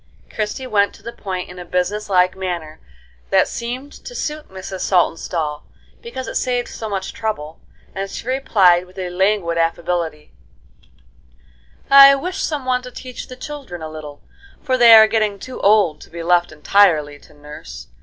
Christie went to the point in a business like manner that seemed to suit Mrs. Saltonstall, because it saved so much trouble, and she replied, with a languid affability: "I wish some one to teach the children a little, for they are getting too old to be left entirely to nurse.